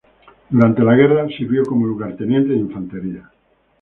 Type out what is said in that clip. Durante la guerra, sirvió como lugarteniente de infantería.